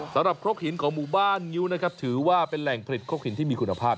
ครกหินของหมู่บ้านงิ้วนะครับถือว่าเป็นแหล่งผลิตครกหินที่มีคุณภาพ